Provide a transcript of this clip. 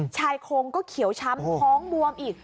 ชายโครงก็เขียวช้ำท้องบวมอีก